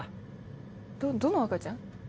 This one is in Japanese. どの赤ちゃん？